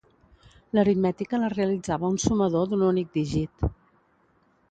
L'aritmètica la realitzava un sumador d'un únic dígit.